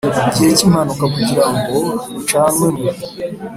gihe cy impanuka kugira ngo rucanwe mu